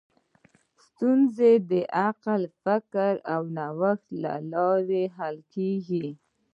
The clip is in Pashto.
ستونزې د عقل، فکر او نوښت له لارې حل کېږي.